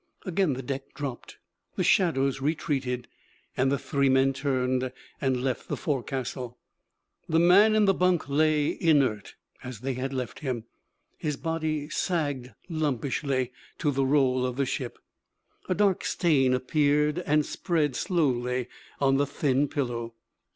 Again the deck dropped, the shadows retreated, and the three men turned and left the forecastle. The man in the bunk lay inert, as they had left him. His body sagged lumpishly to the roll of the ship. A dark stain appeared and spread slowly on the thin pillow.